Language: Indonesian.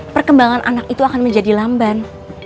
perkembangan anak itu akan menjadi lamban